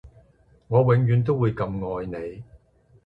我永遠都會咁愛你